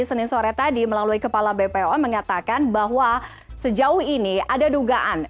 senin sore tadi melalui kepala bpom mengatakan bahwa sejauh ini ada dugaan